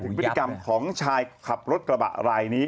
พฤติกรรมของชายขับรถกระบะรายนี้